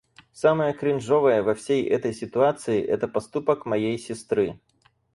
Самое кринжовое во всей этой ситуации, это поступок моей сестры.